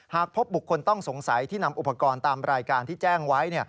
หากพบบุคคลต้องสงสัยที่นำอุปกรณ์ตามรายการที่แจ้งไว้